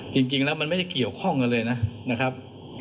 จริงแล้วมันไม่ได้เกี่ยวข้องกันเลยนะครับ